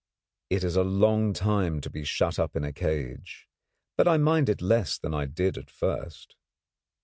It is a long time to be shut up in a cage. But I mind it less than I did at first.